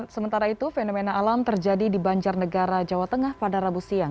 sementara itu fenomena alam terjadi di banjarnegara jawa tengah pada rabu siang